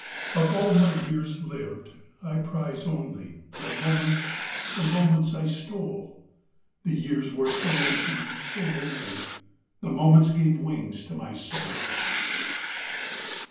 Of all my years lived I prize only The moments, the moments I stole; The years were so empty, so lonely — The moments gave wings to my soul.